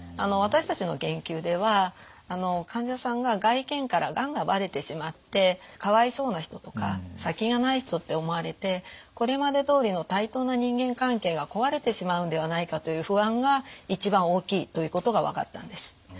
私たちの研究では患者さんが外見からがんがバレてしまってかわいそうな人とか先がない人って思われてこれまでどおりの対等な人間関係が壊れてしまうんではないかという不安が一番大きいということが分かったんです。